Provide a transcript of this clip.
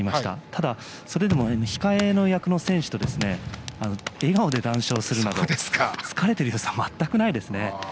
ただ、それでも控え役の選手と笑顔で談笑するなど疲れている様子は全くないですね。